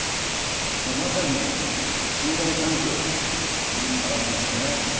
これまさに信頼関係を表してますよね。